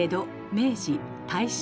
明治大正